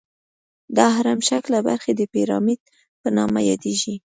دا هرم شکله برخې د پیرامید په نامه یادیږي.